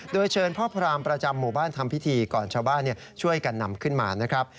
โดยเชิญพ่อพรามประจำหมู่บ้านทำพิธีก่อนชาวบ้านช่วยกันนำขึ้นมานะครับ